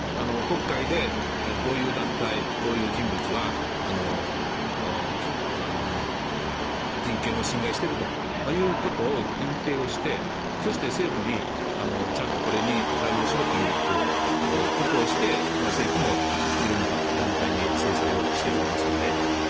国会でこういう団体こういう人物は人権を侵害しているということを認定をしてそして政府に、ちゃんとこれに対応しろということをして政府も制裁をしておりますので。